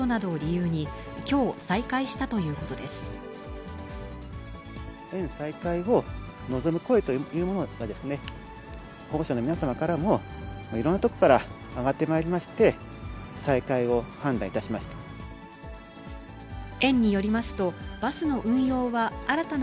園の再開を望む声というものが、保護者の皆様からも、いろんなところから上がってまいりまして、再開を判断いたしました。